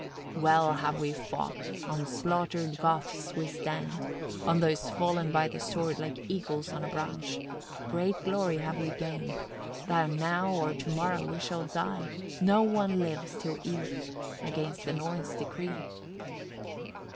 31. "Well have we fought, on slaughtered Goths we stand, on those fallen by the sword, like eagles on a branch. Great glory we have gained, though now or to morrow we shall die. No one lives till eve against the Norns' decree."